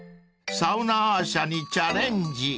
［サウナアー写にチャレンジ］